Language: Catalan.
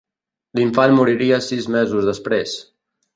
L'infant moriria sis mesos després.